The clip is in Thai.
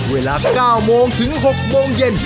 เวลา๙โมงถึง๖โมงเย็น